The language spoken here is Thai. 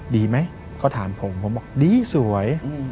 ดีไหมเขาถามผมผมบอกดีสวย